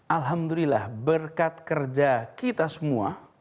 alhamdulillah berkat kerja kita semua